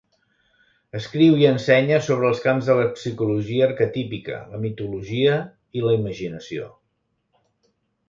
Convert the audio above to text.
Escriu i ensenya sobre els camps de la psicologia arquetípica, la mitologia i la imaginació.